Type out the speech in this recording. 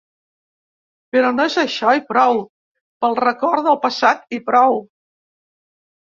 Però no és això i prou, pel record del passat i prou.